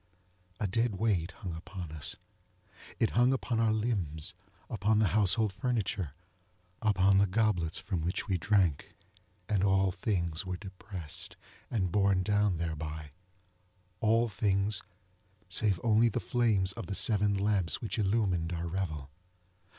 A dead weight hung upon us. It hung upon our limbsŌĆöupon the household furnitureŌĆöupon the goblets from which we drank; and all things were depressed, and borne down therebyŌĆöall things save only the flames of the seven lamps which illumined our revel.